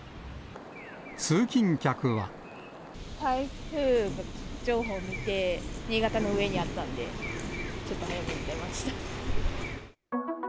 台風情報を見て、新潟の上にあったんで、ちょっと早めに出ました。